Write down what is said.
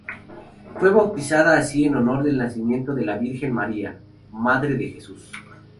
Fue bautizada así en honor del nacimiento de la Virgen María, madre de Jesús.